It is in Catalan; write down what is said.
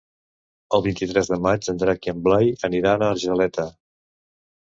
El vint-i-tres de maig en Drac i en Blai aniran a Argeleta.